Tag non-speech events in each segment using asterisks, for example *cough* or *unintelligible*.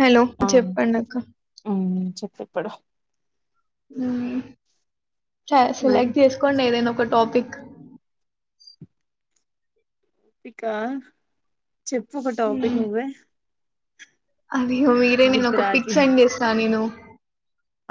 Hello ఆఁ చెప్పండి అక్క హ్మ్ చెప్పు ఇప్పుడు. హ్మ్ స నా సెలెక్ట్ చేసుకోండి ఏదైనా ఒక టాపిక్. టాపికా చెప్పు ఒక టాపిక్ మ్మ్ నువ్వే. అది మీరే నిన్న గుర్తు ఒక పిక్ రాట్లే సెండ్ చేశా నేను.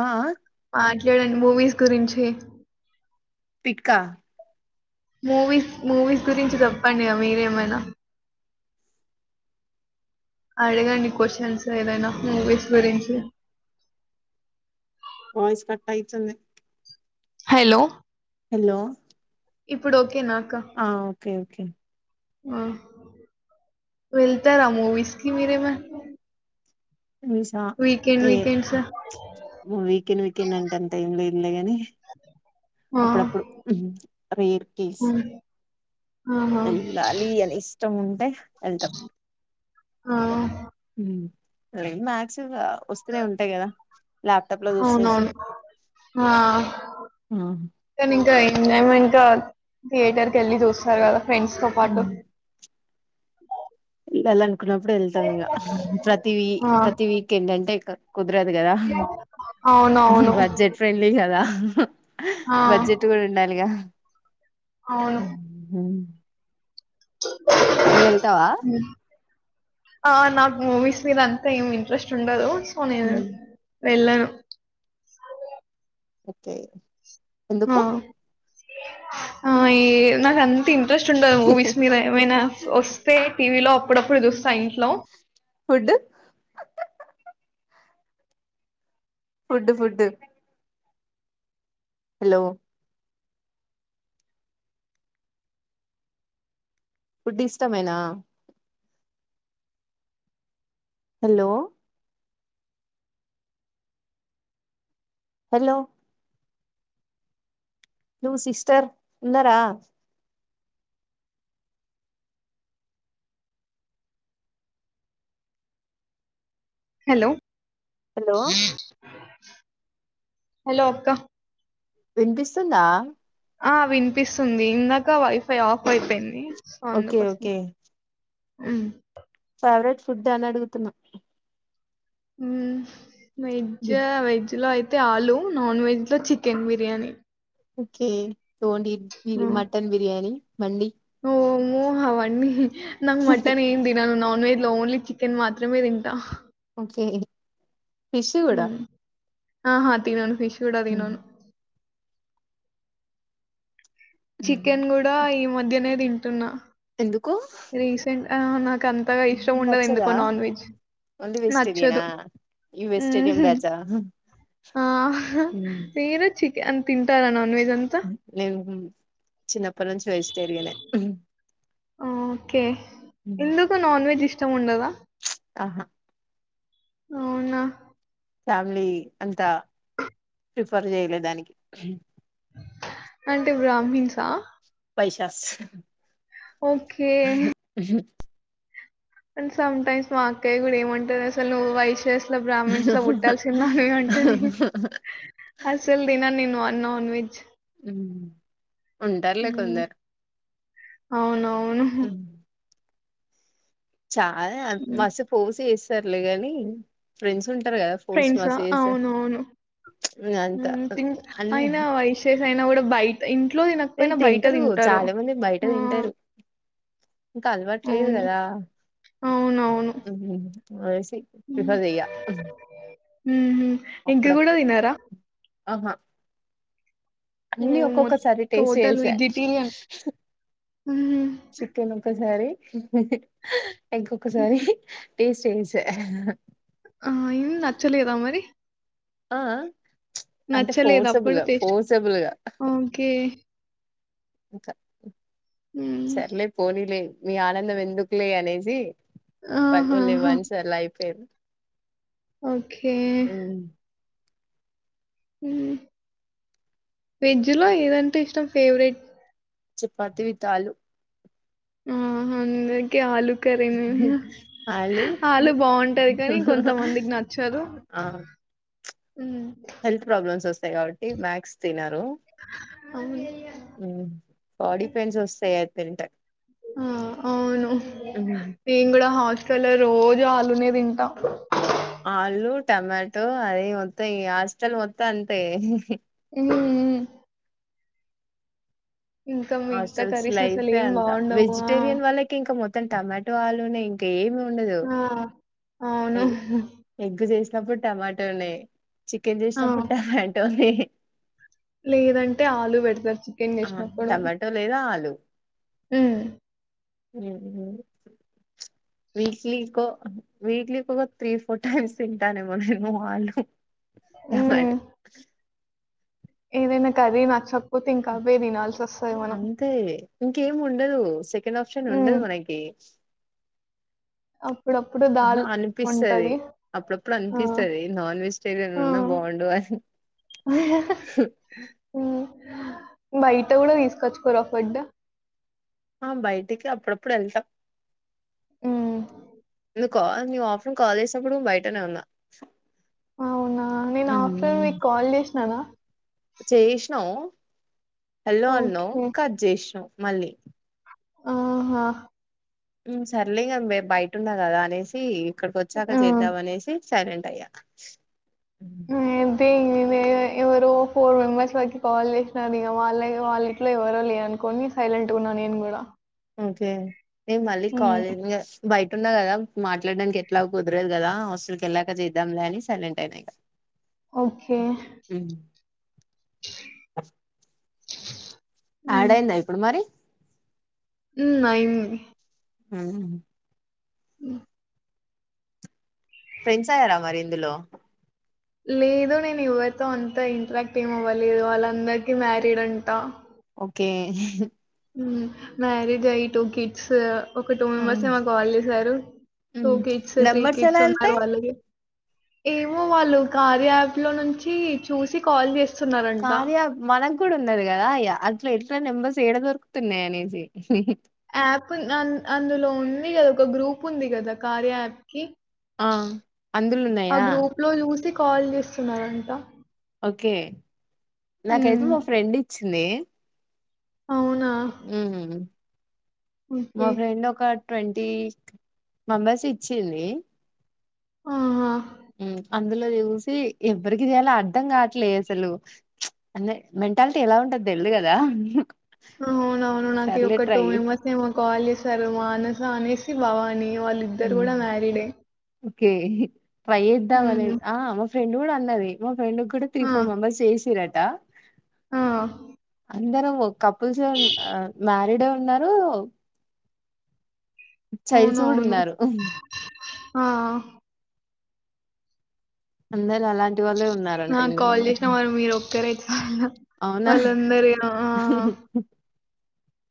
ఆ ఆఁ మాట్లాడండి మూవీస్ గురించి. పిక్కా మూవీస్ మూవీస్ గురించి చెప్పండి మీరేమైనా. అడగండి క్వశ్చన్స్ ఏదైనా మూవీస్ గురించి. వాయిస్ కట్టాయితుంది. హలో హలో ఇప్పుడు ఓకేనా అక్క ఆ ఓకే ఓకే ఆ వెళ్తారా మూవీస్కి మీరేమ మూవిసా ఏ ఆ వీకెండ్ వీకెండ్ అంటే అంత ఏం లేదులే గానీ అప్పుడుప్పుడు మ్ రేర్ కేస్. ఆ ఆహా వెళ్ళాలి అని ఇష్టం ఉంటే వెళ్తం ఆఁ మ్ లేదు మ్యాక్స్ వా వస్తూనే ఉంటాయి కదా ల్యాప్టాప్ లో చూసేస్ ఆఁ కని ఇంకా ఎంజాయ్మెంట్ థియేటర్ కి ఎళ్ళి చూస్తరు కదా ఫ్రెండ్స్ తో పాటు. ఉమ్ *unintelligible* వెళ్ళాలనుకున్నప్పుడు వెళ్తాం ఇగ ప్రతి వీ ఆ ప్రతి వీకెండ్ అంటే క కుదరదు కదా అవును అవును బడ్జెట్ ఫ్రెండ్లీ కదా ఆ బడ్జెట్ కూడ ఉండాలిగా! అవును *unintelligible* నువ్వు వెళ్తావా ఆ నాకు మూవీస్ మీద అంతా ఏం ఇంట్రెస్ట్ ఉండదు సో నేను వెళ్ళను ఓకే ఆ ఎందుకు హై నాకంత ఇంట్రెస్ట్ ఉండదు మూవీస్ మీద ఏమైనా వస్తే టీవీ లో అప్పుడప్పుడు చూస్తా ఇంట్లో food food food hello food ఇష్టమేనా హలో హలో నువ్వు సిస్టర్ ఉన్నార హలో హలో హలో అక్కా వినిపిస్తుందా ఆ వినిపిస్తుంది ఇందాక వైఫై ఆఫ్ అయిపోయింది సో ఓకే అందుకోసం ఓకే ఉమ్ ఫేవరెట్ ఫుడ్ అని అడుగుతున్న హ వెైజ్జ వెైజ్జ్ లో అయితే యితే ఆలుూ నాన్ వెజ్ లో చికెన్ బిర్యానీ ఓకే తోండి హ్మ్. మటన్ బిర్యానీ మండి హు అవన్నీ నా మటన్ ఏం తినను నాన్ వెజ్ ఓన్లీ చికెన్ మాత్రమే తింటా కే ఫిష్ గూడా హ్మ్. ఆహా తినను ఫిష్ గూడా తినను చికెన్ కూడా ఈ మధ్యనే తింటున్నా ఎందుకు ఆ నాకు అంతగా ఇష్టం ఉండదు నచ్చదా ఎందుకో నాన్ వెజ్ ఓన్లీ వెజిటేరియనా నచ్చదు. ఇన్ వెజిటేరియన్ హుహు. బ్యాచ్ ఆ ఆ మీరు చికెన్ తింటారా నాన్ వెజ్ అంతా? నేను చిన్నప్పటి నుంచి వెజిటేరియనే ఉ ఓకే ఎందుకు నాన్ వెజ్ ఇష్టముండదా ఆహా అవునా ఫ్యామిలీ అంతా ప్రిఫర్ చేయలే దానికి అంటే బ్రాహ్మిన్స్ ఆ వైశాస్ ఓకే. సమ్ టైమ్స్ మా అక్కయ్య కూడా ఏమంటదసలు నువ్వు వైశాస్ బ్రహ్మిన్సలో పుట్టాల్సిందానివి అంటది అసలు తినన్ నేను వనాన్ వెెజ్ ఉంటారులే కొందరు అవునవును. ఉ చాలా హ్మ్. మసి పూసి ఇస్తారులే గాని ఫ్రెండ్స్ ఉంటారు కదా ఫోర్స్ ఫ్రెండ్సా మస్తు చేస్తారు అవునవును అంత ఊ తిన్ అన్ని అయినా వైశాస్ అయినా కూడా బయట ఇన్ ఇంట్లో అది తినకపోయినా బయట తింటరు తింటారు చాలా మంది ఊ కలవట్లేదు కదా అవునవును. తెల్వదిగా ఊ ఎగ్ కూడా తినరా ఆహా అన్నీ ఓహ్! మొ ఒక్కొక్కసారి టేస్ట్ టోటల్ చేసా వెజిటేరియన్. హ్మ్. చికెన్ ఒకసారి ఎగ్ ఒకసారి టేస్ట్ చేసా ఆ ఇన్ నచ్చలేదా మరి ఆ ఆ అంటే నచ్చలేదా ఫోర్సబుల్ అప్పుడు గా టేస్ట్? ఫోర్సబుల్గా ఓకే. ఇంకా హ్మ్. సర్లే పోనీలే మీ ఆనందం ఎందుకులే అనేసి పరులే ఆహాహా! వన్స్ అయిపోయింది ఓకే హ్మ్ ఊ వెజ్ లో ఏదంటే ఇష్టం ఫేవరెట్ చపాతీ విత్ ఆలు ఆ అందరికి ఆలు కరీన్ వ ఆలు బాగుంటాది కానీ కొంతమందికి నచ్చదు ఆ హ్మ్. హెల్త్ ప్రాబ్లమ్స్ వస్తాయి కాబట్టి మ్యాక్స్ తినరు అవును. ఊ బాడీ పెయిన్స్ వస్తాయి అది తింటే ఆ అవును నేను కూడా హస్ స్టల రోజు ఆలునే తింటా ఆలు టమాటో అవి మొత్తం ఇగ హాస్టల్ మొత్తం అంతే ఊ ఊ మిగతా అసలు కర్రీస్ స్లైఫే అసలేం అంతా బావుండవు. ఆ! వెజిటేరియన్ వాళ్ళకి ఇంకా మొత్తం టమా టోలునే ఇంకేము ఆ ఎ అవును. ఎగ్ చేసినప్పుడు టమాటోనే చికెన్ ఆ! చేసినప్పుడు టమాట్ టోనె లేదంటే ఆలు పెడతరు చికెన్ ఆ చేసినప్పుడు టమాటో లేదా ఊ లేదు లేదు వీక్లీ కో వీక్లీకొక ఒక త్రీ ఫోర్ టైమ్స్ తింటానేమో నేను ఆలు టమాటో ఏదయ్ కర్రీ నచక్ పోతే ఇంకా అదే దినల్స్ అంతే ఇంకేమి ఉండదు సెకండ్ ఆప్షన్ ఉండదు హ్మ్. మనకి అప్పుడప్పుడు ఆహా దాల్ అనిపిస్తది ఉంటది అప్పుడప్పుడు ఆ! అనిపిస్తది నాన్ వెజిటేరియన్ ఉన్నా బాగుండు అని హ హా హ ఊ బయట కూడా తీసుకొచ్చుకోరా ఫుడ్ ఆ బయటికి అప్పుడప్పుడు వెళ్తాం హ్మ్. నువ్ కాల్ నువ్ ఓఫరున్ కాల్ చేసప్పుడు బయటనే వున్నా అవునా నేను ఆఫ్టేర్నూన్ మీకు కాల్ చేసినానా చేసినావు ఎల్లో అన్నావు ఓకే. కట్ చేసినవ్ మళ్ళీ ఆహా ఊ సర్లే ఇగ మేం బయటున్న కదా అనేసి ఇక్కడికి వచ్చాక హ్మ్. చేద్దాం అనేసి సైలంట్ అయ ఐతే ఇగ ఎవరో ఫోర్ మెంబర్స్ వరకు కాల్ చేసినారు ఇంక వాళ్ళ వాళ్ళ ఇట్లో ఎవరో లేరని కొన్ని సైలెట్ వున్నా నేను కూడా ఓకే నేను మళ్ళీ ఉమ్, కాల్ చేసిన ఇంగ బయ టున్న కదా మాట్లాడడానికి ఎట్లా కుదరేదు కదా హాస్ల్కి వెళక చేద్దాంలే అని సైలెంట్ అయినా ఇగ ఓకే హ్మ్. ఆడైందా ఇప్పుడు మరి ఉయి అయ్యింది ఆ ఉ ఫ్రెండ్స్ అయ్యారా మరి ఇందులో లేదు నేను ఎవరితో అంతా ఇంటరాక్ట్ ఏమవ్వలేదు వాళ్ళందరికీ మ్యారీడ్ అంటా ఓకే ఊ మ్యారీడ్ అయ్యి టు కిడ్స్ ఒక టూ మెంబర్స్ మాకు కాల్ చేసారు two kids three numbers kids ఎలా ఉన్నారు వెళ్తాయి వాళ్లకి ఏమో వాళ్ళు కార్య యాప్ లో నుంచి చూసి కాల్ చేసి కార్య మనకు కూడా ఉన్నది కదా అ అట్లా ఎట్లా ఇ నెంబర్స్ ఏడ దొరుకుతున్నాయా అనేసి యాప్ అందులో ఉంది కదా ఒక గ్రూప్ ఉంది కదా కార్య యాప్ కి ఆ అందులో ఆ ఉన్నాయా గ్రూప్ లో చూసి కాల్ చేస్తున్నారు అంతా ఓకే నాకైతే మ ఫ్రెండ్ ఇచ్చింది అవునా? ఉహు మా ఓకే. ఫ్రెండ్ ఒక ట్వంటీ మెంబర్స్ ఇచ్చింది ఆహా అందులో చూసి ఎవ్వరికి చేయాాలి అర్ధం కావట్లేదు అసలు అన్నే మెంటాలిటీ ఎలా ఉంటది తెల్దు కదా అవున అవును నాకు సర్లే ఒక టూ ట్రై మెంబర్స్ ఏమో కాల్ చేశారు మానస అనేసి బాగు కానీ వాళ్ళిద్దరు కూడా మ్యారీడే కే ట్రై చేద్దాం హ్మ్. అనేది ఆ మా ఫ్రెండ్ కూడా అన్నది ఫ్రెండ్ కూడ్ త్రీ ఆ! ఫోర్ మెంబర్స్ చేసిరట ఆ అందరం ఓ కపుల్సేన్ ఆ మ్యారీడే ఉన్నరు అవును అవును ఉ ఆ అందరు అలాంటి వాళ్ళే ఉన్నారంట నాకు ఇందులో కాల్ మరి చేసిన వాళ్ళు మీరొక్కరే చాలా. అవునాహ్ వాళ్ళందరూ ఆ! ఆ!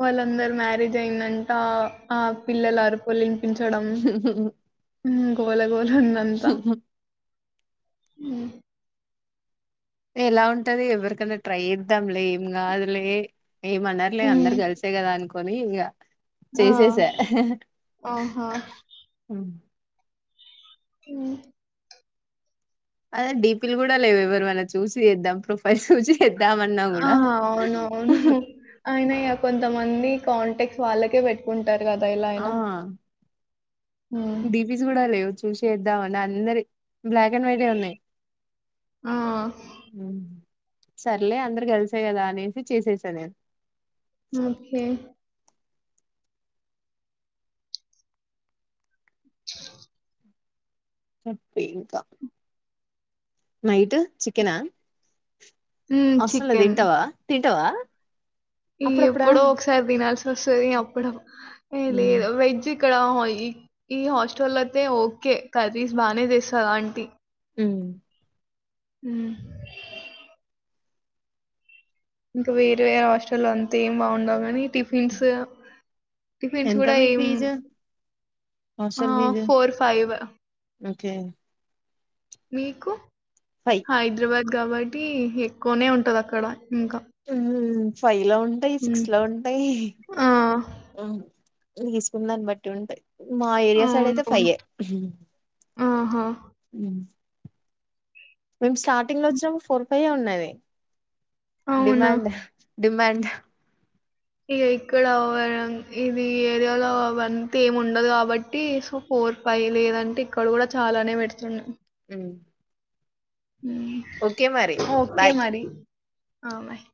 వాళ్ళందరు మ్యారేజ్ అయిందంట ఆ పిల్లల అరుపులిని పించడం ఉ గోలగోల ఉందంతా ఉ ఎలా ఉంటది ఎవరికన్నా ట్రై చేద్దాంలే ఏం కాదులే ఏమనరులే అందరు ఉమ్, కలిసే కదా అనుకొని ఇగ ఆ చేేసేసా ఆహా ఉ అదే డీపీలు కూడా లేవ్ ఎవరువన్న చూసి చేద్దాం ప్రొఫైల్స్ చూసి చేద్దామన్నా ఆ కూడా అవును అవును అయిన ఇగ కొంతమ మంది కాంటెక్స్ వాళ్ళకే పెట్టుకుంటారు కదా ఎలా ఆ అయినా ఉమ్, డిపిస్ కూడా లేవు చూసిచేద్దామంటే అందరి బ్లాక్ అండ్ వైటే ఉన్నాయి ఆ సర్లే అందరు కలిసే గదా అనేసి చేసేసా నేను ఓకే చెప్పింకా నైట్ చికెనా ఉమ్, అస్సల్ చికెన్ తింటావా తి టవా ఎప్పుడో ఒకసారి తినాల్సి వస్తది అప్పుడు ఏ హ్మ్. లేదు వెజ్ ఇక్కడ హోయి ఈ హాస్టల్ అయితే ఓకే కర్రీస్ బానే చేస్తాద్ అంటి హ్మ్మ్ హ్మ్మ్ ఇంకా వేరే హాస్టల్లో అంతేం బాగుండవు కాని టిఫిన్స్ టిఫెన్స్ ఎంత కూడా మీకు ఏం ఫీజు ఆ hostel fees four five okay మీకు ఫైవ్ హైద్రాబాద్ గాబట్టి ఎక్కువనే ఉంటద్ అక్కడ ఇంకా ఉమ్మ్ ఫైవ్ లో ఉంటయి సిక్స్ ఉమ్. లో ఉంటయి ఆ, ఉ తీసుకున్ దాన్ బట్టి ఉంటాయి మా ఏరియా సైడ్ అయితే ఫై అవునవును ఆహా ఉ మేము స్టార్టింగ్ ల వచ్చినప్పుడు ఫోర్ ఫై ఉన్నది అవునా డిమాండ్ డిమాండ్ ఇగ ఇక్కడ ఒవరన్ ఇది ఏరియాలో అవంత ఏమ్ ఉండదు కాబట్టి సో ఫోర్ పైవ్ లేదంటే ఇక్కడ కూడా చాలానే పెడుతుండే హ్మ్మ్ ఉ ఓకే బాయ్ మరి ఆ బయ్